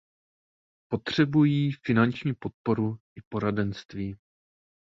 Potřebují finanční podporu i poradenství.